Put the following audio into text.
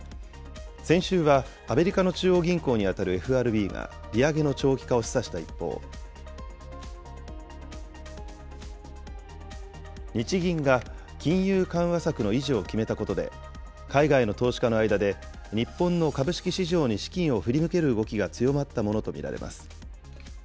先週は、アメリカの中央銀行に当たるＦＲＢが利上げの長期化を示唆した一方、日銀が金融緩和策の維持を決めたことで、海外の投資家の間で、日本の株式市場に資金を振り向ける動きが強まったものと見られます。